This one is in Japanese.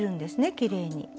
きれいに。